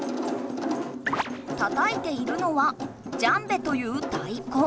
たたいているのは「ジャンベ」というたいこ。